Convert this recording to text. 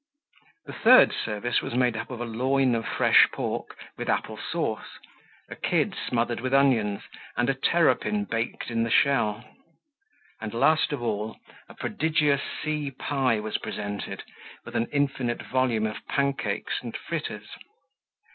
The third service was made up of a loin of fresh pork, with apple sauce, a kid smothered with onions, and a terrapin baked in the shell; and last of all, a prodigious sea pie was presented, with an infinite volume of pancakes and fritters.